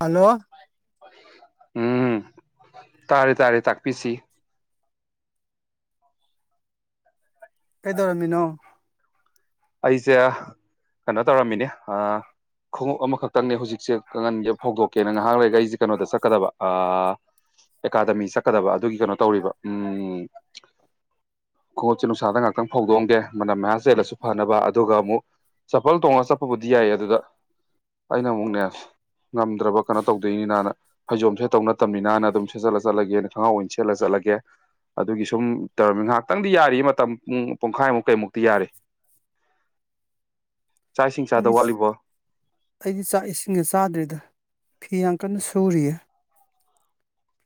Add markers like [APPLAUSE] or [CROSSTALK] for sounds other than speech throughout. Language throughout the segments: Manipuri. ꯍꯜꯂꯣ ꯎꯝ ꯇꯥꯔꯦ ꯇꯥꯔꯦ ꯇꯥꯛꯄꯤꯁꯤ ꯀꯩꯗꯧꯔꯝꯃꯤꯅꯣ ꯑꯩꯁꯦ ꯀꯩꯅꯣ ꯇꯧꯔꯝꯃꯤꯅꯦ ꯈꯣꯡꯎꯞ ꯑꯃꯈꯛꯇꯪꯅꯦ ꯍꯧꯖꯤꯛꯁꯦ ꯀꯒꯟꯒꯤ ꯍꯧꯗꯣꯛꯀꯦ ꯉꯍ ꯂꯩꯔꯒ ꯑꯩꯁꯦ ꯀꯩꯅꯣꯗ ꯆꯠꯀꯗꯕ ꯑꯦꯀꯥꯗꯃꯤ ꯆꯠꯀꯗꯕ ꯑꯗꯨꯒꯤ ꯀꯩꯅꯣ ꯇꯧꯔꯤꯕ ꯎ ꯈꯣꯡꯎꯠꯁꯦ ꯅꯨꯡꯁꯥꯗ ꯉꯥꯛꯇꯪ ꯐꯧꯗꯣꯛꯑꯗꯦ ꯃꯅꯝ ꯃꯌꯥꯝ ꯆꯦꯜꯂꯁꯨ ꯐꯅꯕ ꯑꯗꯨꯒ ꯑꯃꯨꯛ ꯆꯄꯜ ꯇꯣꯡꯉ ꯆꯠꯄꯕꯨꯗꯤ ꯌꯥꯏꯌꯦ ꯑꯗꯨꯗ ꯑꯩꯅ ꯑꯃꯨꯛ ꯅꯁ ꯉꯝꯗ꯭ꯔꯕ ꯀꯩꯅꯣ ꯇꯧꯗꯣꯏꯅꯤ ꯅꯥꯅ ꯐꯩꯖꯣꯝꯁꯦ ꯇꯧ ꯅꯠꯇꯕꯅꯤꯅꯅ ꯑꯗꯨꯝ ꯁꯦꯠꯆꯜꯂ ꯆꯠꯂꯒꯦꯅ ꯈꯉꯍꯥꯎ ꯑꯣꯏꯅ ꯁꯦꯠꯂ ꯆꯠꯂꯒꯦ ꯑꯗꯨꯒꯤ ꯁꯨꯝ ꯇꯔꯃꯤ ꯉꯥꯏꯍꯥꯛꯇꯪꯗꯤ ꯌꯥꯔꯤ ꯃꯇꯝ ꯄꯨꯡ ꯄꯨꯡꯈꯥꯏꯃꯨꯛ ꯀꯩꯃꯨꯛꯇꯤ ꯌꯥꯔꯤ ꯆꯥꯛ ꯏꯁꯤꯡ ꯆꯥꯗ ꯑꯩꯗꯤ ꯋꯥꯠꯂꯤꯕꯣ ꯑꯩꯗꯤ ꯆꯥꯛ ꯏꯁꯤꯡꯒꯦ ꯆꯥꯗ꯭ꯔꯤꯗ ꯐꯤ ꯌꯥꯝ ꯀꯟꯅ ꯁꯨꯔꯤꯌꯦ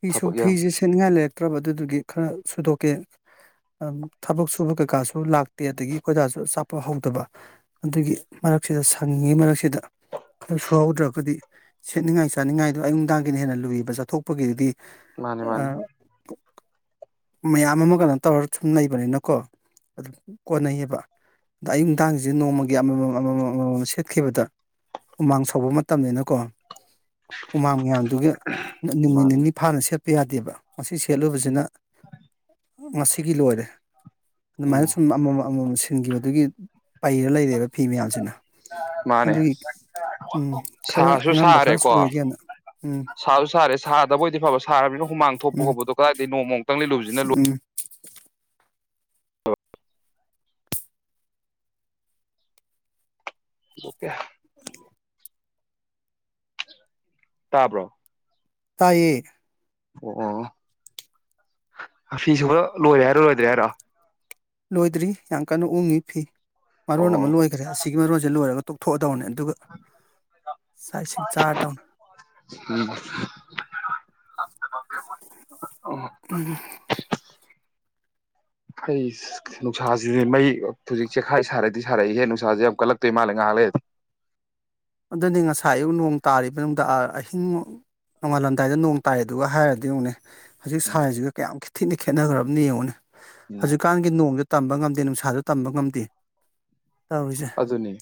ꯐꯤꯁꯨ ꯊꯕꯛ ꯌꯥꯝ ꯐꯤꯁꯦ ꯁꯦꯠꯅꯤꯡꯉꯥꯏ ꯂꯩꯔꯛꯇ꯭ꯔꯕ ꯑꯗꯨꯗꯨꯒꯤ ꯈꯔ ꯁꯨꯗꯣꯛꯀꯦ ꯊꯕꯛ ꯁꯨꯕ ꯀꯩꯀꯥꯁꯨ ꯂꯥꯛꯇꯦ ꯑꯗꯒꯤ ꯀꯣꯏꯖꯥꯁꯨ ꯆꯥꯛꯄ ꯍꯧꯗꯕ ꯑꯗꯨꯒꯤ ꯃꯔꯛꯁꯤꯗ ꯁꯪꯉꯤꯉꯩ ꯃꯔꯛꯁꯤꯗ ꯈꯔ ꯁꯨꯍꯧꯗ꯭ꯔꯒꯗꯤ ꯁꯦꯠꯅꯤꯡꯉꯥꯏ ꯆꯥꯅꯤꯡꯉꯥꯏꯗꯣ ꯑꯌꯨꯅꯨꯡꯗꯥꯡꯒꯤꯅ ꯍꯦꯟꯅ ꯂꯨꯏꯕ ꯆꯠꯊꯣꯛꯄꯒꯤꯗꯤ ꯃꯥꯅꯤ ꯃꯥꯅꯤ ꯃꯌꯥꯝ ꯑꯃ ꯀꯩꯅꯣ ꯇꯧꯔ ꯁꯨꯝ ꯂꯩꯕꯅꯤꯅꯀꯣ ꯑꯗꯨꯝ ꯀꯣꯟꯅꯩꯌꯦꯕ ꯑꯗ ꯑꯌꯨ ꯅꯨꯡꯗꯥꯡꯁꯤꯁꯦ ꯅꯣꯡꯃꯒꯤ ꯑꯃꯃꯝꯃꯝ ꯑꯃꯃꯝ ꯁꯦꯠꯈꯤꯕꯗ ꯍꯨꯃꯥꯡ ꯁꯧꯕ ꯃꯇꯝꯅꯤꯅꯀꯣ ꯍꯨꯃꯥꯡ ꯃꯌꯥꯝꯗꯨꯒꯤ ꯅꯨꯃꯤꯠ ꯃꯥꯅꯦ ꯅꯤꯅꯤ ꯐꯥꯅ ꯁꯦꯠꯄ ꯌꯥꯗꯦꯕ ꯃꯁꯤ ꯁꯦꯠꯂꯨꯕꯁꯤꯅ ꯉꯁꯤꯒꯤ ꯂꯣꯏꯔꯦ ꯑꯗꯨꯃꯥꯏꯅ ꯎꯝ ꯁꯨꯝ ꯑꯃꯃꯝ ꯑꯃꯃꯝꯁꯦ ꯊꯤꯟꯈꯤꯕꯗꯨꯒꯤ ꯄꯩꯔ ꯂꯩꯔꯦꯕ ꯐꯤꯃꯦꯜꯁꯤꯅ ꯁꯥꯁꯨ ꯑꯉꯝꯕ ꯈꯔ ꯁꯥꯔꯦꯀꯣ ꯁꯨꯔꯒꯦꯅ ꯎꯝ ꯁꯥꯁꯨ ꯁꯥꯔꯦ ꯁꯥꯗꯕꯗꯤ ꯐꯕ ꯊꯥꯕꯤꯅꯣ ꯍꯨꯃꯥꯡ ꯊꯣꯛꯄ ꯎꯝ ꯍꯣꯧꯕꯗꯣ ꯀꯗꯥꯏ ꯅꯣꯡꯃꯛ ꯇꯪꯂꯤ ꯂꯨꯁꯤꯅ ꯂꯣꯏ ꯎꯝ ꯑꯣꯀꯦ ꯇꯥꯕ꯭ꯔꯣ ꯇꯌꯦ ꯑꯣ ꯑꯣ ꯐꯤꯨꯕ ꯂꯣꯏꯔ ꯍꯥꯏꯔꯣꯏꯔꯦ ꯗꯦꯔꯥ ꯂꯣꯏꯗ꯭ꯔꯤ ꯌꯥꯝ ꯀꯟꯅ ꯎꯡꯏꯤ ꯐꯤ ꯃꯔꯣꯟ ꯑꯣ ꯑꯃ ꯂꯣꯏꯈ꯭ꯔꯦ ꯑꯁꯤꯒꯤ ꯃꯔꯣꯟꯁꯤ ꯂꯣꯏꯔꯕ ꯇꯣꯛꯊꯣꯛꯑꯗꯕꯅꯦ ꯑꯗꯨꯒ ꯆꯥꯛ ꯏꯁꯤꯡ ꯆꯥꯔꯗꯧꯅ ꯎꯝ ꯍꯩ ꯅꯨꯡꯁꯥꯁꯤꯗꯤ ꯃꯩ ꯍꯧꯖꯤꯛ ꯆꯦꯈꯥꯏ ꯁꯥꯔꯗꯤ ꯁꯥꯔꯛꯏꯍꯦ ꯅꯨꯡꯁꯥꯥꯁꯦ ꯌꯥꯝ ꯀꯜꯂꯛꯇꯣꯏ ꯃꯥꯜꯂꯦ ꯉꯥꯏꯍꯥꯛ ꯂꯩ ꯑꯗꯨꯅꯤ ꯉꯁꯥꯏ ꯑꯌꯨꯛ ꯅꯣꯡ ꯇꯥꯔꯤꯕ ꯗꯥ ꯑꯍꯤꯡ ꯅꯣꯡꯉꯥꯜꯂꯝꯗꯥꯏꯗ ꯅꯣꯡ ꯇꯥꯏꯗꯨꯒ ꯍꯥꯏꯔꯗꯤ ꯑꯃꯨꯅꯦ ꯍꯧꯖꯤꯛ ꯁꯥꯏꯁꯤꯒ ꯀꯌꯥꯝ ꯈꯤ ꯊꯤꯅ ꯈꯦꯠꯒ꯭ꯔꯝꯅꯤ ꯌꯦꯡꯅ ꯎꯝ ꯍꯧꯖꯤꯛꯀꯥꯟꯒꯤ ꯅꯣꯡꯁ ꯇꯝꯕ ꯉꯝ ꯑꯗꯩ ꯅꯨꯡꯁꯥꯁꯨ ꯇꯝꯕ ꯉꯝꯗꯦ ꯇꯧꯔꯤꯁꯦ ꯑꯗꯨꯅꯦ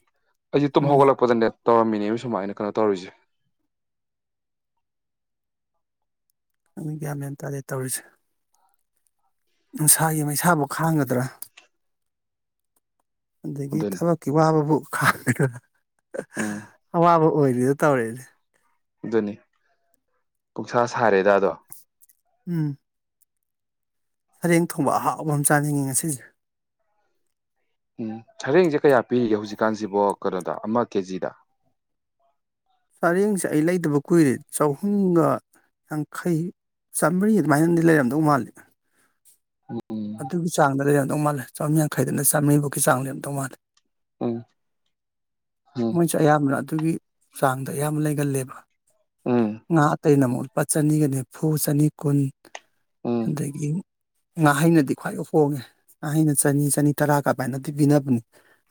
ꯑꯩ ꯇꯨꯝ ꯎꯝ ꯍꯒꯣꯂꯛꯄꯗꯅꯦ ꯇꯧꯔꯝꯃꯤꯅꯦ ꯁꯨꯃꯥꯏꯅ ꯀꯩꯅꯣ ꯇꯧꯔꯔꯤꯁꯦ ꯑꯗꯨ ꯒ꯭ꯌꯥ ꯃ꯭ꯌꯥ ꯇꯥꯗꯦ ꯇꯧꯔꯤꯁꯦ ꯅꯨꯡꯁꯥꯒꯤ ꯃꯩꯁꯥꯕꯨꯧ ꯈꯥꯡꯒꯗ꯭ꯔꯥ ꯑꯗꯒꯤ ꯑꯗꯨꯅꯤ ꯊꯕꯛꯀꯤ ꯋꯥꯕꯕꯨ ꯈ ꯎꯝ ꯑꯋꯥꯕ ꯑꯣꯏꯔꯤꯗ ꯇꯧꯔꯛꯦꯅꯦ ꯑꯗꯨꯅꯤ ꯄꯨꯡꯁꯥ ꯁꯥꯔꯦꯗꯥꯗꯣ ꯎꯝ ꯁꯔꯦꯡ ꯊꯣꯡꯕ ꯑꯍꯥꯎꯕ ꯑꯃ ꯆꯥꯅꯤꯡꯏꯤ ꯉꯁꯤꯁꯦ ꯎꯝ ꯍꯌꯦꯡꯁꯦ ꯀꯌꯥ ꯄꯤꯒꯦ ꯍꯧꯖꯤꯛ ꯆꯖꯤꯛꯀꯥꯟꯁꯤꯕꯣ ꯀꯩꯅꯣꯗ ꯑꯃ ꯀꯦꯖꯤꯗ ꯄꯔꯦꯡꯁꯦ ꯑꯩ ꯂꯩꯇꯕ ꯀꯨꯏꯔꯦ ꯆꯍꯨꯝꯒ ꯌꯥꯡꯈꯩ ꯆꯥꯝꯃꯔꯤ ꯑꯗꯨꯃꯥꯏꯅꯗꯤ ꯂꯩꯔꯝꯗꯧ ꯃꯥꯜꯂꯤ ꯎꯝ ꯑꯗꯨꯒꯤ ꯆꯥꯡꯗ ꯂꯩ ꯑꯗꯨꯧ ꯃꯥꯜꯂ ꯆꯝꯃ ꯌꯥꯡꯈꯗ ꯆꯥꯝꯔꯤꯨꯒꯤ ꯆꯥꯡꯗꯤꯝꯧ ꯃꯥꯜꯂꯦ ꯎꯝ ꯎꯝ ꯃꯣꯏꯁꯨ ꯑꯌꯥꯝꯕꯅ ꯑꯗꯨꯒꯤ ꯆꯥꯡꯗ ꯌꯥꯝ ꯂꯩꯒꯜꯂꯦꯕ ꯎꯝ ꯉꯥ ꯑꯇꯩꯅ ꯑꯃꯨꯛ ꯂꯨꯄꯥ ꯆꯅꯤꯒ ꯅꯤꯐꯨ ꯆꯅꯤ ꯀꯨꯟ ꯎꯝ ꯑꯗꯒꯤ ꯉꯥ ꯍꯩꯅꯗꯤ ꯈ꯭ꯋꯥꯏ ꯍꯣꯡꯉꯦ ꯑꯩꯅ ꯆꯅꯤ ꯆꯅꯤ ꯇꯔꯥ ꯀꯃꯥꯏꯅꯗꯤ ꯄꯤꯅꯕꯅꯦ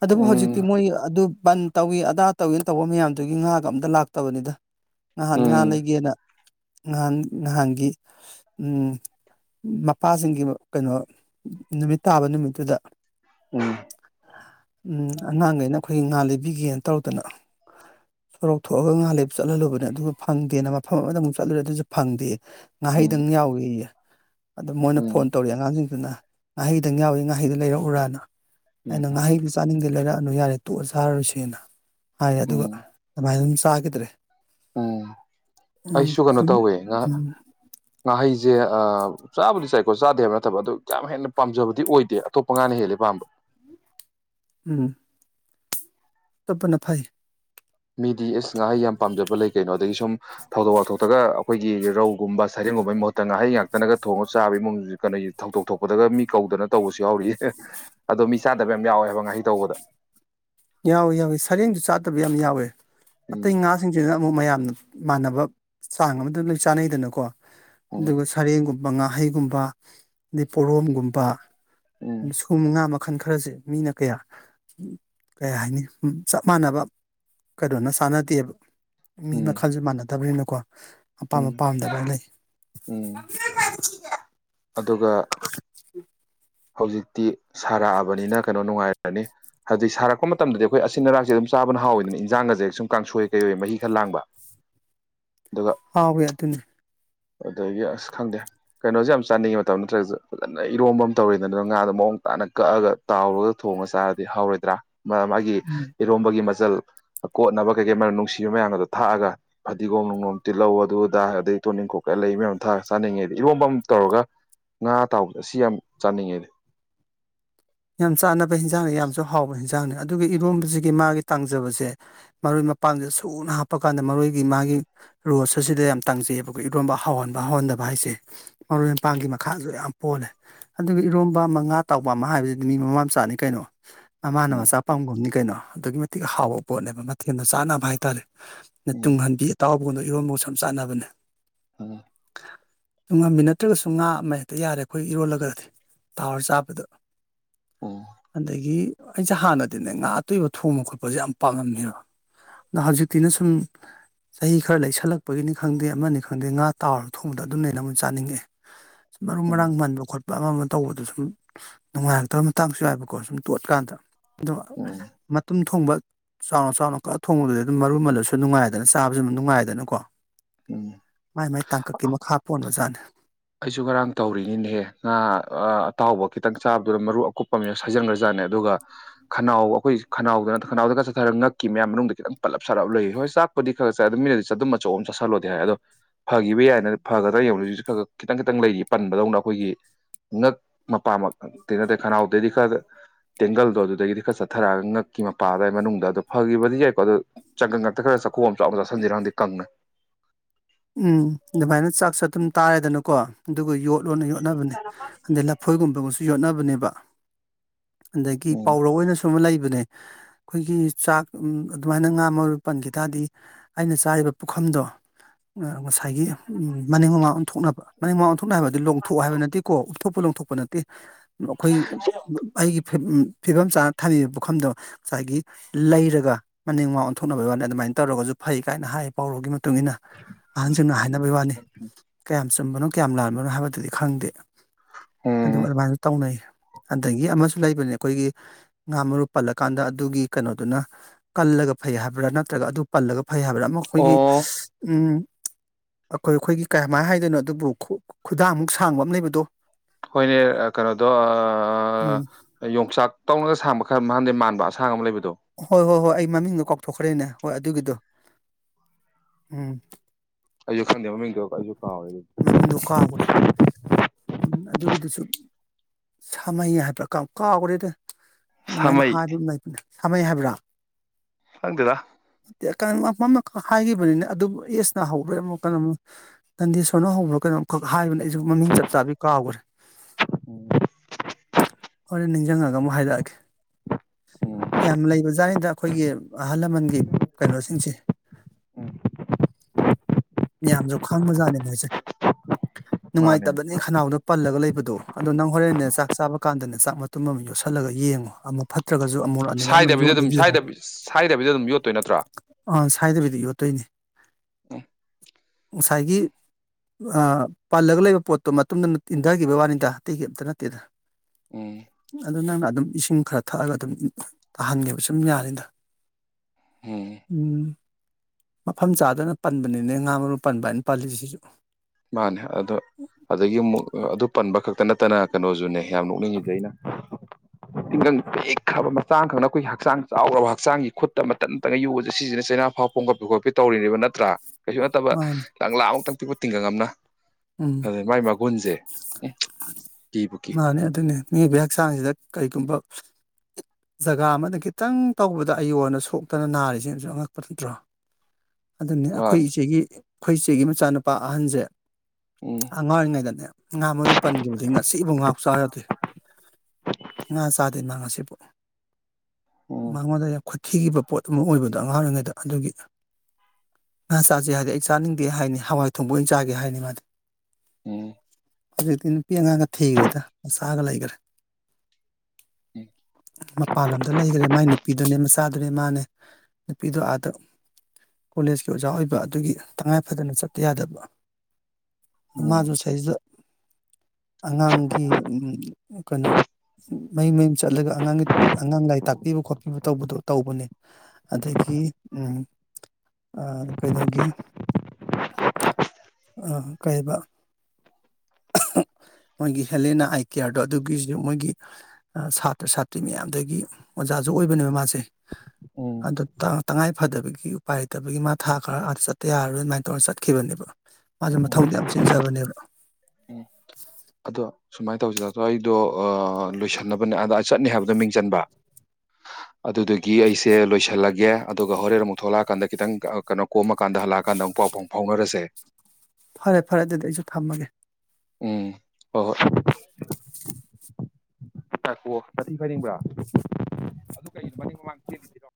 ꯑꯗꯨꯕꯨ ꯍꯧꯖꯤꯛꯇꯤ ꯎꯝ ꯃꯣꯏ ꯑꯗꯨ ꯕꯟ ꯇꯧꯋꯤ ꯑꯗꯥ ꯇꯧꯋꯤꯅ ꯇꯧꯕ ꯃꯌꯥꯝ ꯑꯗꯨꯒꯤ ꯉꯥꯒ ꯑꯝꯇ ꯂꯥꯛꯇꯕꯅꯤꯗ ꯉꯍꯥꯟ ꯉꯍꯥ ꯎꯝ ꯂꯩꯒꯦꯅ ꯉꯍꯥꯟ ꯉꯍꯥꯟꯒꯤ ꯎꯝ ꯃꯄꯥꯁꯤꯡꯒꯤ ꯀꯩꯅꯣ ꯅꯨꯃꯤꯠ ꯇꯥꯕ ꯅꯨꯃꯤꯠꯇꯨꯗ ꯎꯝ ꯎꯝ ꯑꯉꯥꯡꯈꯩꯅ ꯑꯩꯈꯣꯏꯒꯤ ꯉꯥ ꯂꯩꯕꯤꯒꯦꯅ ꯇꯧꯔꯛꯇꯅ ꯁꯣꯔꯣꯛ ꯊꯣꯛꯑꯒ ꯉꯍꯥ ꯂꯩꯦꯞ ꯆꯠꯍꯜꯂꯨꯕꯅꯦ ꯑꯗꯨ ꯐꯪꯗꯦꯅ ꯃꯐꯝ ꯑꯃꯗ ꯑꯃꯨꯛ ꯆꯠꯂꯨꯔꯦ ꯑꯗꯨꯁꯨ ꯐꯪꯗꯦ ꯎꯝ ꯉꯥꯍꯩꯗꯪ ꯌꯥꯎꯏꯌꯦ ꯑꯗ ꯃꯣꯏꯅ ꯎꯝ ꯐꯣꯟ ꯇꯧꯔꯤ ꯑꯉꯥꯡꯁꯤꯡꯗꯨꯅ ꯉꯥꯍꯩꯗꯪ ꯌꯥꯎꯏ ꯉꯥꯍꯩꯗ ꯂꯩꯔꯛꯎꯔꯅ ꯎꯝ ꯑꯩꯅ ꯉꯥꯍꯩꯗꯨ ꯆꯥꯅꯤꯡꯗꯦ ꯂꯩꯔꯛꯑꯅꯨ ꯌꯥꯔꯦ ꯇꯣꯛꯑ ꯆꯥꯔꯨꯁꯦꯅ ꯍꯥꯏ ꯑꯗꯨꯒ ꯎꯝ ꯑꯗꯨꯃꯥꯏꯅ ꯑꯗꯨꯝ ꯆꯥꯈꯤꯗ꯭ꯔꯦ ꯎꯝ ꯎꯝ ꯑꯩꯁꯨ ꯀꯩꯅꯣ ꯁꯨꯝ ꯎꯝ ꯑꯩꯁꯦ ꯆꯥꯕꯨꯗꯤ ꯆꯥꯏꯀꯣ ꯆꯥꯗꯦ ꯍꯥꯏꯕ ꯅꯠꯇꯕ ꯑꯣ ꯌꯥꯝ ꯍꯦꯟꯅ ꯄꯥꯝꯖꯕꯗꯤ ꯑꯣꯏꯗꯦ ꯑꯇꯣꯞꯄ ꯉꯥꯅ ꯍꯦꯜꯂꯦ ꯄꯥꯝꯕ ꯎꯝ ꯇꯞꯄꯅ ꯐꯩ ꯃꯤꯗꯤ ꯑꯁ ꯉꯍꯩ ꯌꯥꯝ ꯄꯥꯝꯖꯕ ꯂꯩ ꯀꯩꯅꯣ ꯑꯗꯒꯤ ꯁꯨꯝ ꯊꯧꯗꯣꯛ ꯋꯥꯊꯣꯛꯇꯒ ꯑꯩꯈꯣꯏꯒꯤ ꯔꯧꯒꯨꯝꯕ ꯁꯩꯔꯦꯡꯒꯨꯝꯕꯩꯒꯤ ꯃꯍꯨꯠꯇ ꯉꯥꯍꯩ ꯉꯥꯛꯇꯅꯒ ꯊꯣꯡꯉꯒ ꯆꯥꯕ ꯏꯃꯨꯡ ꯀꯩꯅꯣ ꯊꯧꯗꯣꯛ ꯊꯣꯛꯄꯗꯒ ꯃꯤ ꯀꯧꯗꯅ ꯇꯧꯕꯁꯨ ꯌꯥꯎꯔꯤꯌꯦ ꯑꯗꯣ ꯃꯤ ꯆꯥꯗꯕ ꯌꯥꯝ ꯌꯥꯎꯋꯦ ꯍꯥꯏꯕ ꯉꯥꯍꯩ ꯇꯧꯕꯗ ꯌꯥꯎꯋꯤ ꯌꯥꯎꯋꯤ ꯁꯔꯦꯡꯁꯨ ꯆꯥꯗꯕ ꯌꯥꯝ ꯌꯥꯎꯋꯦ ꯑꯇꯩ ꯎꯝ ꯉꯥꯁꯤꯡꯁꯤꯅ ꯑꯃꯨꯛ ꯃꯌꯥꯝ ꯌꯥꯝꯅ ꯃꯥꯟꯅꯕ ꯆꯥꯡ ꯑꯃꯗ ꯂꯣꯏ ꯆꯥꯅꯩꯗꯅꯀꯣ ꯎꯝ ꯑꯗꯨꯒ ꯁꯔꯡꯒꯨꯝ ꯃꯉꯥꯍꯩꯒꯨꯝꯕ ꯑꯗꯩ ꯄꯣꯔꯣꯝꯒꯨꯝꯕ ꯎꯝ ꯁꯨ ꯃꯉꯥ ꯃꯈꯜ ꯈꯔꯁꯦ ꯃꯤꯅ ꯀꯌꯥ ꯀꯩ ꯍꯥꯏꯅꯤ ꯆꯞ ꯃꯥꯟꯅꯕ ꯀꯩꯅꯣꯅ ꯆꯥꯟꯅꯗꯦꯕ ꯃꯤ ꯎꯝ ꯃꯈꯜꯁꯦ ꯃꯥꯟꯅꯗꯕꯅꯤꯅ ꯑꯄꯥꯝꯕ ꯎꯝ ꯄꯥꯝꯗꯕ ꯂꯩ ꯎꯝ ꯑꯗꯨꯒ ꯍꯧꯖꯤꯛꯇꯤ ꯁꯥꯔꯛꯑꯕꯅꯤꯅ ꯀꯩꯅꯣ ꯅꯨꯡꯉꯥꯏꯔꯅꯤ ꯍꯧꯖꯤꯛ ꯁꯥꯔꯛꯄ ꯃꯇꯝꯗꯗꯤ ꯑꯩꯈꯣꯏ ꯑꯁꯤꯟ ꯑꯔꯥꯛꯁꯦ ꯑꯗꯨꯝ ꯆꯥꯕꯅ ꯍꯥꯎꯋꯤꯅꯤꯅ ꯏꯟꯖꯥꯡꯒꯁꯦ ꯁꯨꯝ ꯀꯥꯡꯁꯣꯏ ꯀꯩꯣꯏꯦ ꯃꯍꯤ ꯈꯔ ꯂꯥꯡꯕ ꯑꯗꯨꯒ ꯑꯥꯎ ꯍꯣꯏ ꯑꯗꯨꯅꯤ ꯑꯗꯒꯤ ꯑꯁ ꯈꯪꯗꯦ ꯀꯩꯅꯣꯁꯦ ꯌꯥꯝ ꯆꯥꯅꯤꯡꯉꯤ ꯃꯇꯝ ꯅꯠꯇ꯭ꯔꯒꯁꯨ ꯐꯖꯅ ꯏꯔꯣꯝꯕ ꯑꯃ ꯇꯧꯔꯤꯗꯅ ꯉꯥꯗꯣ ꯃꯑꯣꯡ ꯇꯥꯅ ꯀꯛꯑꯒ ꯇꯥꯎꯔꯒ ꯊꯣꯡꯉ ꯆꯥꯔꯗꯤ ꯍꯧꯔꯣꯏꯗ꯭ꯔꯥ ꯃꯥꯒꯤ ꯎꯝ ꯏꯔꯣꯝꯕꯒꯤ ꯆꯜ ꯀꯣꯠꯅꯕ ꯀꯩ ꯀꯩ ꯃꯔ ꯅꯨꯡꯁꯤꯕ ꯃꯌꯥꯝꯒꯗꯣ ꯊꯥꯛꯑꯒ ꯐꯗꯤꯒꯣꯝ ꯅꯨꯡꯂꯣꯝ ꯇꯤꯜꯍꯧ ꯑꯗꯨ ꯑꯗꯥ ꯑꯗꯩ ꯇꯣꯅꯤꯡꯣꯛ ꯂꯩ ꯃꯌꯥꯝ ꯊꯥꯔꯒ ꯆꯥꯅꯤꯡꯉꯦꯗꯤ ꯏꯔꯣꯝꯕ ꯇꯧꯔꯒ ꯉꯥ ꯇꯥꯕꯗ ꯑꯁꯤ ꯌꯥꯝ ꯆꯥꯅꯤꯡꯉꯦꯗꯤ ꯌꯥꯝ ꯆꯥꯅꯕ ꯍꯟꯁꯥꯡꯗ ꯌꯥꯝꯁꯨ ꯍꯥꯎꯕ ꯍꯤꯟꯁꯥꯡ ꯍꯛꯆꯥꯡꯅꯤ ꯑꯗꯨꯒ ꯏꯔꯣꯝꯕꯁꯤꯒꯤ ꯃꯥꯒꯤ ꯇꯥꯡꯖꯕꯁꯦ ꯃꯔꯣꯏ ꯃꯄꯥꯡꯁꯦ ꯁꯨꯅ ꯍꯥꯞꯄꯀꯥꯟꯗ ꯃꯔꯣꯏꯒꯤ ꯃꯥꯒꯤ ꯔꯣꯁ ꯑꯁꯤꯗ ꯌꯥꯝ ꯇꯥꯡꯖꯩꯑꯕꯀꯣ ꯏꯔꯣꯝꯕ ꯍꯥꯎꯍꯟꯕ ꯍꯥꯎꯍꯟꯗꯕ ꯍꯥꯏꯁꯦ ꯃꯔꯣꯏ ꯃꯄꯥꯡꯒꯤ ꯃꯈꯥꯁꯨ ꯌꯥꯝ ꯄꯣꯜꯂꯦ ꯑꯗꯨꯒ ꯏꯔꯣꯝꯕ ꯑꯃ ꯉꯥ ꯇꯥꯎꯕ ꯑꯃ ꯍꯥꯏꯕꯁꯤꯗꯤ ꯃꯤ ꯃꯃꯥ ꯃꯆꯥꯅꯤ ꯀꯩꯅꯣ ꯃꯃꯥꯅ ꯎꯝ ꯃꯆꯥ ꯄꯥꯝꯒꯨꯝꯅꯤ ꯀꯩꯅꯣ ꯑꯗꯨꯛꯀꯤ ꯃꯇꯤꯛ ꯍꯥꯎꯕ ꯄꯣꯠꯅꯦꯕ ꯃꯊꯦꯜꯅ ꯆꯥꯅꯕ ꯍꯥꯏꯇꯥꯔꯦ ꯅ ꯎꯝ ꯇꯨꯡꯍꯟꯗꯤ ꯑꯇꯥꯎꯕꯒꯨꯝꯗ ꯏꯔꯣꯟꯕ ꯑꯗꯨ ꯆꯥꯟꯅꯕꯅꯦ ꯍꯝ ꯇꯨꯡꯉꯝꯃꯤ ꯅꯠꯇ꯭ꯔꯒꯁꯨ ꯉꯥ ꯑꯃ ꯍꯦꯛꯇ ꯌꯥꯔꯦ ꯑꯩꯈꯣꯏ ꯏꯔꯣꯜꯂꯒꯗꯤ ꯇꯥꯋꯔ ꯆꯥꯕꯗ ꯎꯝ ꯑꯗꯒꯤ ꯑꯩꯁꯦ ꯍꯥꯟꯅꯗꯤꯅꯦ ꯉꯥ ꯑꯇꯏꯕ ꯊꯣꯡꯕ ꯈꯣꯠꯄꯁꯦ ꯌꯥꯝ ꯄꯥꯝꯂꯝꯝꯃꯦꯕ ꯑꯗ ꯍꯧꯖꯤꯛꯇꯤꯅ ꯁꯨꯝ ꯆꯍꯤ ꯈꯔ ꯂꯩꯁꯜꯂꯛꯄꯒꯤꯅꯤ ꯈꯪꯗꯦ ꯑꯃꯅꯤ ꯈꯪꯗꯦ ꯉꯥ ꯇꯥꯎꯔꯒ ꯊꯣꯡꯕꯗ ꯑꯗꯨꯅꯅ ꯑꯃꯨꯛ ꯆꯥꯅꯤꯡꯉꯛꯑꯦ ꯃꯔꯨꯝ ꯎꯝ ꯃꯔꯥꯡ ꯃꯥꯟꯕ ꯈꯣꯠ ꯄꯞ ꯑꯃ ꯇꯧꯕꯗ ꯁꯨꯝ ꯅꯨꯡꯉꯥꯏ ꯇ ꯃꯇ ꯃꯇꯝꯥꯡ ꯁ ꯌꯥꯏꯕꯀꯣ ꯁꯨꯝ ꯇꯣꯠꯀꯥꯟꯗ ꯑꯗꯣ ꯎꯝ ꯃꯇꯨꯝ ꯊꯣꯡꯕ ꯆꯥꯎꯅ ꯆꯥꯎꯅ ꯀꯛ ꯊꯣꯡꯕꯗꯨꯗꯤ ꯑꯗꯨꯝ ꯃꯔꯨꯃꯜꯂꯁꯨ ꯅꯨꯡꯉꯥꯏꯗꯅ ꯆꯥꯕꯁꯨ ꯑꯗꯨꯝ ꯅꯨꯡꯉꯥꯏꯗꯅꯀꯣ ꯎꯝ ꯃꯥꯏ ꯃꯥꯏ ꯇꯥꯡꯀꯛꯀꯤ ꯃꯈꯥ ꯄꯣꯟꯕ ꯖꯥꯠꯅꯤ ꯑꯩꯁꯨ ꯉꯔꯥꯡ ꯇꯧꯔꯤꯅꯤꯅꯦꯍꯦ ꯉꯥ ꯑꯇꯥꯎꯕ ꯈꯤꯇꯪ ꯆꯥꯕꯗꯨꯗ ꯃꯔꯨ ꯑꯀꯨꯞꯄ ꯑꯃꯅ ꯁꯖꯖꯤꯟꯈ꯭ꯔꯖꯠꯅꯦ ꯑꯗꯨꯒ ꯈꯅꯥꯎ ꯑꯩꯈꯣꯏ ꯈꯅꯥꯎꯗꯅ ꯈꯅꯥꯎꯗ ꯈ ꯆꯠꯊꯔꯒ ꯉꯛꯀꯤ ꯃꯌꯥꯝ ꯃꯅꯨꯡꯗ ꯈꯤꯇꯪ ꯄꯜꯂꯞ ꯁꯥꯠꯂꯞ ꯂꯩꯌꯦ ꯍꯣꯏ ꯆꯥꯛꯄꯗꯤ ꯈꯔ ꯆꯥꯏ ꯑꯗꯨ ꯃꯤꯅꯗꯤ ꯆꯠꯇ ꯑꯗꯨꯝ ꯃꯆꯧ ꯑꯃ ꯆꯠꯁꯤꯜꯂꯣꯗꯤ ꯍꯥꯏ ꯑꯗꯣ ꯐꯈꯤꯕ ꯌꯥꯏꯅ ꯐꯒꯗ꯭ꯔꯥ ꯌꯦꯧꯖꯤꯁꯨ ꯈꯔ ꯈ ꯈꯤꯇꯪ ꯈꯤꯇꯪ ꯂꯩꯔꯤ ꯄꯟꯕꯗꯧꯅ ꯑꯩꯈꯣꯏꯒꯤ ꯉꯛ ꯃꯄꯥꯃꯛꯇꯇꯩ ꯅꯠꯇ꯭ꯔꯦ ꯈꯅꯥꯎꯗꯩꯗꯤ ꯈꯔ ꯇꯦꯡꯒꯜꯗꯣ ꯑꯗꯨꯗꯒꯤꯗꯤ ꯈꯔ ꯆꯠꯊꯔꯛꯑꯒ ꯉꯛꯀꯤ ꯃꯄꯥ ꯑꯗꯨꯋꯥꯏ ꯃꯅꯨꯡꯗ ꯑꯗꯨꯣ ꯐꯈꯤꯕꯗꯤ ꯌꯥꯏꯀꯣ ꯑꯗꯣ ꯆꯪꯒ ꯉꯛꯇ ꯈꯔ ꯆꯈꯣ ꯑ ꯆ ꯑꯃ ꯆꯥꯁꯤꯟꯁꯤꯔꯥꯟꯗꯤ ꯀꯪꯅ ꯎꯝ ꯑꯗꯨꯃꯥꯏꯅ ꯆꯥꯛ ꯆ ꯑꯗꯨꯝ ꯇꯥꯔꯦꯗꯅꯀꯣ ꯑꯗꯨꯒ ꯌꯣꯛ ꯂꯣꯟꯅ ꯌꯣꯠꯅꯕꯅꯦ ꯑꯗꯩ ꯂꯐꯣꯏꯒꯨꯝꯕꯒꯨꯝꯁꯨ ꯌꯣꯠꯅꯕ ꯑꯗꯨꯅꯦꯕ ꯑꯗꯒꯤ ꯎꯝ ꯄꯥꯎꯔꯧ ꯑꯣꯏꯅꯁꯨ ꯑꯃ ꯂꯩ ꯑꯗꯨꯅꯦ ꯑꯩꯈꯣꯏꯒꯤ ꯆꯥꯛ ꯑꯗꯨꯃꯥꯏꯅ ꯉꯥ ꯃꯔꯨ ꯄꯟꯈꯤ ꯇꯥꯔꯗꯤ ꯑꯩꯅ ꯆꯥꯔꯤꯕ ꯄꯨꯈꯝꯗꯣ ꯉꯁꯥꯏꯒꯤ ꯎ ꯃꯅꯤꯡ ꯃꯃꯥ ꯑꯣꯟꯊꯣꯛꯅꯕ ꯃꯅꯤꯡ ꯃꯃꯥꯡ ꯑꯣꯟꯊꯣꯛꯅꯕ ꯍꯥꯏꯕꯗꯤ ꯂ ꯂꯧꯊꯣꯛ ꯍꯥꯏꯕ ꯅꯦꯀꯣ ꯎꯞꯊꯣꯛꯄ ꯂꯣꯡꯊꯣꯛ ꯅꯠꯇꯦ ꯑꯩꯈꯣꯏ ꯑꯩꯒꯤ ꯐꯤꯕꯝ ꯆꯥꯅ ꯊꯝꯕꯤꯕ ꯄꯨꯈꯝꯗꯣ ꯉꯁꯥꯏꯒꯤ ꯂꯩꯔꯒ ꯃꯅꯤꯡ ꯃ ꯑꯣꯟꯊꯣꯛꯅꯕ ꯋꯥꯅꯤ ꯑꯗꯨꯃꯥꯏꯅ ꯇꯧꯔꯒꯁꯨ ꯐꯩ ꯀꯥꯏꯅ ꯍꯥꯏ ꯄꯥꯎꯔꯒꯤ ꯃꯇꯨꯡ ꯏꯟꯅ ꯑꯍꯟꯁꯤꯡꯅ ꯍꯥꯏꯅꯕꯒꯤ ꯋꯥꯅꯤ ꯀꯌꯥꯝ ꯆꯨꯝꯕꯅꯣ ꯀꯌꯥꯝ ꯂꯥꯟꯕꯅꯣ ꯍꯥꯏꯕꯗꯨꯗꯤ ꯈꯪꯗꯦ ꯑꯗꯨ ꯎꯝ ꯑꯗꯨꯃꯥꯏꯅꯁꯨ ꯇꯧꯅꯩ ꯑꯗꯒꯤ ꯑꯃꯁꯨ ꯂꯩꯕꯅꯦ ꯑꯩꯈꯣꯏꯒꯤ ꯉꯥ ꯃꯔꯨ ꯄꯜꯂꯀꯥꯟꯗ ꯑꯗꯨꯒꯤ ꯀꯩꯅꯣꯗꯨꯅ ꯀꯜꯂꯒ ꯐꯩ ꯍꯥꯏꯕ꯭ꯔꯥ ꯅꯠꯇ꯭ꯔꯒ ꯑꯗꯨ ꯄꯜꯂꯒ ꯐꯩ ꯍꯥꯏꯕꯗꯥ ꯑꯃꯨꯛ ꯑꯩꯈꯣꯏꯒꯤ ꯑꯣ ꯎꯝ ꯑꯩꯈꯣꯏ ꯑꯩꯈꯣꯏꯒꯤ ꯀꯃꯥꯏꯅ ꯍꯥꯏꯗꯣꯏꯅꯣ ꯑꯗꯨꯕꯨ ꯈꯨꯗꯥꯡꯃꯨꯛ ꯁꯥꯡꯕ ꯑꯃ ꯂꯩꯕꯗꯣ ꯍꯣꯏꯅꯦ ꯀꯩꯅꯣꯗꯣ ꯎꯝ ꯌꯣꯡꯆꯥꯛ ꯇꯧꯅꯒ ꯁꯥꯥꯡꯃꯛ ꯈꯔ ꯃꯟꯗꯤ ꯃꯥꯟꯕ ꯑꯁꯥꯡ ꯑꯃ ꯂꯩꯕ ꯍꯣꯏ ꯍꯣꯏ ꯍꯣꯏ ꯃꯃꯤꯡꯗꯣ ꯀꯥꯎꯊꯣꯛꯈ꯭ꯔꯦꯅꯦ ꯍꯣꯏ ꯑꯗꯨꯒꯤꯗꯣ ꯎꯝ ꯑꯁꯨ ꯈꯪꯗꯦꯣ ꯃꯡꯗꯣ ꯃꯃꯤꯡꯗꯣ ꯀꯥꯎꯒ꯭ꯔꯦ ꯎꯝ ꯑꯗꯨꯒꯤꯗꯨꯁꯨ ꯁꯥꯃꯩ ꯍꯥꯏꯕ꯭ꯔꯥ ꯀꯥꯎꯈ꯭ꯔꯦꯗ ꯑꯗꯨꯃꯥꯏꯅ ꯁꯥꯃꯩ ꯍꯥꯏꯗꯨ ꯂꯩꯕꯅꯦ ꯁꯃꯩ ꯍꯥꯏꯕ꯭ꯔꯥ ꯐꯗꯔ ꯍꯥꯏꯈꯤꯕꯅꯤꯅ ꯑꯗꯨꯕꯨ ꯑꯦꯁꯅ ꯍꯧꯧꯕꯔꯦ ꯑꯃꯨꯛ ꯀꯩꯅꯣꯗꯤ ꯊꯣꯅꯣ ꯍꯧꯕ꯭ꯔ ꯀꯩꯅꯣꯝꯈꯛ ꯍꯥꯏꯕꯅ ꯑꯩꯁꯨ ꯃꯃꯤꯡ ꯆꯞ ꯆꯥꯕꯤ ꯀꯥꯎꯈ꯭ꯔꯦ ꯎꯝ ꯍꯣꯔꯦꯟ ꯅꯤꯡꯁꯤꯡꯉꯒ ꯑꯃꯨꯛ ꯍꯥꯏꯔꯛꯑꯒꯦ ꯎꯝ ꯌꯥꯝ ꯂꯩꯕꯖꯥꯠꯅꯤꯗ ꯑꯩꯈꯣꯏꯒꯤ ꯑꯍꯜ ꯂꯃꯟꯒꯤ ꯀꯩꯅꯣꯁꯤꯡꯁꯦ ꯎꯝ ꯌꯥꯝꯁꯨ ꯈꯪꯕ ꯖꯥꯠꯅꯦ ꯃꯣꯏꯁꯦ ꯑ [UNINTELLIGIBLE] [INAUDIBLE] ꯃꯥꯅꯦ ꯅꯨꯡꯉꯥꯏꯇꯕꯅꯦ ꯈꯅꯥꯎꯗꯣ ꯄꯜꯂꯒ ꯂꯩꯕ ꯑꯗꯣ ꯑꯗꯣ ꯅꯪ ꯍꯣꯔꯦꯟꯅꯦ ꯆꯥꯛ ꯆꯥꯕ ꯀꯥꯟꯗꯅ ꯆꯥꯛ ꯃꯇꯨꯝ ꯑꯃ ꯌꯣꯠꯁꯤꯜꯂꯒ ꯌꯦꯡꯉꯨ ꯑꯃꯨꯛ ꯐ ꯅꯠꯇ꯭ꯔꯒꯁꯨ ꯑꯃꯣꯠ ꯑꯅꯤꯅ ꯑꯗꯨꯝ ꯁꯥꯏꯗꯕꯤꯗ ꯌꯣꯠꯂꯗꯤ ꯌꯥꯎꯕ ꯁꯥꯏꯗꯕꯤ ꯁꯥꯏꯗꯕꯤꯗ ꯑꯗꯨꯝ ꯌꯣꯠꯇꯣꯏ ꯅꯠꯇ꯭ꯔꯣ ꯑꯥ ꯁꯥꯏꯗꯕꯤꯗꯤ ꯌꯣꯠꯇꯣꯏꯅꯤ ꯑꯝ ꯉꯁꯥꯏꯒꯤ ꯄꯥꯜꯂꯒ ꯂꯩꯕ ꯄꯣꯠꯇꯣ ꯃꯇꯨꯡꯗ ꯏꯟꯊꯈꯤꯕ ꯋꯥꯅꯤꯗ ꯑꯇꯩꯒꯤ ꯑꯝꯇ ꯅꯠꯇꯦꯗꯅ ꯎꯝ ꯑꯗꯨ ꯅ ꯑꯗꯨꯝ ꯏꯁꯤꯡ ꯈꯔ ꯊꯛꯑꯒ ꯑꯗꯨꯝ ꯇꯥꯍꯟꯒꯦꯕ ꯁꯨꯝ ꯌꯥꯔꯤꯗ ꯎꯝ ꯃꯐꯝ ꯆꯥꯗꯅ ꯄꯟꯕꯅꯤꯅꯦ ꯉꯥ ꯃꯔꯨ ꯄꯟꯕ ꯍꯥꯏꯅ ꯄꯜꯂꯤꯁꯤꯁꯨ ꯃꯥꯅꯦ ꯑꯗꯣ ꯑꯗꯨꯗꯒꯤꯨꯛ ꯑꯗꯨ ꯄꯟꯕ ꯈꯛꯇ ꯅꯠꯇꯅ ꯀꯩꯅꯣꯁꯨꯅꯦ ꯌꯥꯝ ꯅꯣꯛꯅꯤꯡꯉꯤꯁꯦ ꯑꯩꯅ ꯏꯪꯒꯪ ꯄꯦꯛꯛꯈ꯭ꯔꯕ ꯃꯆꯥꯡ ꯈꯛꯅ ꯑꯩꯈꯣꯏꯒꯤ ꯍꯛꯆꯥꯡ ꯆꯥꯎꯔꯕ ꯍꯛꯆꯥꯡꯒꯤ ꯈꯨꯠꯇ ꯃꯇꯟꯇꯪ ꯌꯨꯁꯦ ꯁꯤꯁꯤꯅ ꯆꯩꯅꯥ ꯐꯥꯎ ꯐꯣꯡꯝꯒꯠꯄ ꯈꯣꯠꯄꯤ ꯇꯧꯔꯤꯅꯦꯕ ꯅꯠꯇ꯭ꯔꯥ ꯀꯩꯁꯨ ꯅꯠꯇꯕ ꯃꯥꯅꯦ ꯀꯪꯂꯥ ꯑꯃꯨꯛꯇꯪ ꯇꯤꯡꯒꯉꯝꯅ ꯎꯝ ꯑꯗꯦ ꯃꯥꯏ ꯃꯥ ꯄꯨꯨꯟꯖꯦ ꯃꯥꯅꯦ ꯑꯗꯨ ꯑꯗꯨꯅꯦ ꯃꯤꯕ ꯍꯛꯆꯥꯡꯁꯤꯗ ꯀꯔꯤꯒꯨꯝꯕ ꯖꯒꯥ ꯑꯃꯗ ꯈꯤꯇꯪ ꯇꯧꯕꯗ ꯑꯩꯌꯣꯟꯗ ꯁꯣꯛꯇꯅ ꯅꯥꯔꯤꯁꯅꯁꯨ ꯑꯉꯛꯄ ꯅꯠꯇ꯭ꯔꯣ ꯑꯗꯨꯅꯤ ꯑꯩꯈꯣꯏ ꯃꯥꯅꯤ ꯏꯆꯦꯒꯤ ꯑꯩꯈꯣꯏ ꯏꯆꯦꯒꯤ ꯃꯆꯥꯅꯨꯄꯥ ꯑꯍꯟꯁꯦ ꯎꯝ ꯑꯉꯥꯡꯉꯥꯏꯗꯗꯦ ꯉ ꯑꯃꯔ ꯄꯟꯒꯤꯕꯗꯩ ꯉꯁꯤꯕꯧ ꯉꯥ ꯆꯥꯎ ꯌꯥꯗꯦ ꯉꯥ ꯆꯥꯗꯦ ꯃꯥ ꯉꯁꯤꯕꯨꯛ ꯎꯝ ꯃꯉꯣꯟꯗ ꯌꯥꯝ ꯈꯨꯠ ꯊꯤꯒꯤꯕ ꯄꯣꯠ ꯑꯃ ꯑꯣꯏꯕꯗꯣ ꯑꯉꯥꯡ ꯑꯣꯏꯔꯤꯉꯩꯗ ꯑꯗꯨꯒꯤ ꯉꯥ ꯆꯥꯁꯦ ꯍꯥꯏꯗꯤ ꯑꯩ ꯆꯥꯅꯤꯡꯗꯦ ꯍꯥꯏꯅꯤ ꯍꯋꯥꯏ ꯊꯣꯡꯕ ꯑꯣꯏꯅ ꯆꯥꯒꯦ ꯍꯥꯏꯅꯤ ꯃꯥꯗꯤ ꯎꯝ ꯏꯠ ꯇꯤ ꯅꯨꯄꯤ ꯑꯉꯥꯡꯒ ꯊꯤꯒ꯭ꯔꯦꯗ ꯃꯆꯥꯒ ꯂꯩꯒ꯭ꯔꯦ ꯃꯄꯥꯟ ꯂꯝꯗ ꯂꯩꯒ꯭ꯔꯦ ꯃꯥꯏ ꯅꯨꯄ ꯄꯤꯗꯨꯅꯦ ꯃꯆꯥꯗꯨꯅꯦ ꯃꯥꯅꯦ ꯅꯨꯄꯤꯗꯣ ꯑꯥꯗꯥ ꯀꯣꯂꯦꯖꯀꯤ ꯑꯣꯖꯥ ꯑꯣꯏꯕ ꯑꯗꯨꯒꯤ ꯇꯉꯥꯏ ꯐꯗꯅ ꯆꯠꯇ ꯌꯥꯗꯕ ꯎꯝ ꯃꯥꯖꯨ ꯁꯩꯖꯤꯗ ꯑꯉꯥꯡꯒꯤ ꯎꯝ ꯀꯩꯅꯣ ꯃꯌꯨꯝ ꯃꯌꯨꯝ ꯆꯠꯂꯒ ꯑꯉꯥꯡꯒꯤ ꯑꯉꯥꯡ ꯂꯥꯏꯔꯤꯛ ꯇꯥꯛꯄꯤꯕ ꯈꯣꯠꯄꯤꯕ ꯇꯧꯕꯗꯣ ꯇꯧꯕꯅꯦ ꯑꯗꯒꯤ ꯎꯝ ꯑ ꯀꯩꯅꯣꯒꯤ ꯑ ꯀꯩꯕ ꯑ ꯍꯨꯞ ꯃꯣꯏꯒꯤ ꯍꯦꯂꯦꯅꯥ ꯑꯥꯏ ꯀꯤꯌꯥꯔꯗꯣ ꯑꯗꯨꯒꯤꯖꯨ ꯃꯣꯏꯒꯤ ꯑ ꯁꯥꯇ꯭ꯔ ꯁꯥꯇ꯭ꯔꯤ ꯃꯌꯥꯝꯗꯒꯤ ꯑꯣꯖꯥꯖꯨ ꯑꯣꯏꯕꯅꯦꯕ ꯃꯥꯖꯦ ꯎꯝ ꯑꯗꯨ ꯇ ꯇꯉꯥꯏ ꯐꯗꯕꯒꯤ ꯎꯄꯥꯏ ꯂꯩꯇꯕꯒꯤ ꯃꯥ ꯊꯥ ꯈꯔ ꯑꯥ ꯆꯠꯇ ꯌꯥꯔꯔꯣꯏ ꯑꯗꯨꯃꯥꯏꯅ ꯇꯧꯔ ꯆꯠꯈꯤꯕꯅꯦꯕ ꯃꯥꯁꯦ ꯃꯊꯧꯗꯤ ꯌꯥꯝ ꯆꯤꯟꯖꯕꯅꯦꯕ ꯎꯝ ꯑꯗꯣ ꯁꯨꯃꯥꯏꯅ ꯇꯧꯁꯤ ꯗꯥꯊꯣꯏ ꯑꯩꯗꯣ ꯑꯥ ꯂꯣꯏꯁꯟꯅꯕꯅꯦ ꯑꯗ ꯑꯩ ꯆꯠꯅꯤ ꯍꯥꯏꯕꯗꯣ ꯃꯤꯡ ꯆꯟꯕ ꯑꯗꯨꯗꯒꯤ ꯑꯩꯁꯦ ꯂꯣꯏꯁꯜꯂꯒꯦ ꯑꯗꯨꯒ ꯍꯣꯔꯦꯟ ꯑꯃꯨꯛ ꯊꯣꯛꯂꯛꯑꯀꯥꯟꯗ ꯈꯤꯇꯪ ꯀ ꯑ ꯀꯩꯅꯣ ꯀꯣꯝꯃꯀꯥꯟꯗ ꯍꯜꯂꯛꯑꯀꯥꯟꯗ ꯑꯃꯨꯛ ꯄꯥꯎ ꯐꯥꯎ ꯐꯥꯎꯅꯔꯁꯦ ꯐꯔꯦ ꯐꯔꯦ ꯑꯗꯨꯗꯤ ꯑꯩꯁꯨ ꯊꯝꯃꯒꯦ ꯎꯝ ꯍꯣ ꯍꯣꯏ ꯉꯥꯏꯈꯨꯋꯣ ꯅꯊꯤ ꯐꯥꯏꯅꯤꯡꯕ꯭ꯔꯥ ꯑꯗꯨ ꯀꯩꯒꯤꯅꯣ ꯃꯅꯤꯡ ꯃꯃꯥꯡ ꯆꯦꯜꯂꯤ ꯁꯤ ꯂꯥꯎ